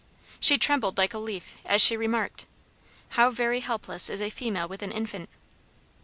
She trembled like a leaf as she remarked, "How very helpless is a female with an infant."